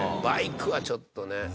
バイクはちょっとね。